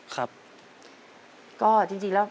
ก็จริงแล้วเพิ่งถึงทหารมา